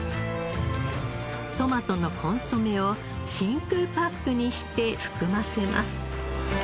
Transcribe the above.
トマトのコンソメを真空パックにして含ませます。